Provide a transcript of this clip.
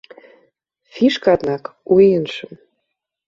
Фішка, аднак, у іншым.